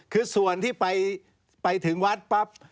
คือส่วนที่ไปถึงวัดปั๊บ